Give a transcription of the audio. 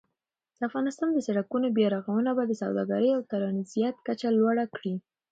د افغانستان د سړکونو بیا رغونه به د سوداګرۍ او ترانزیت کچه لوړه کړي.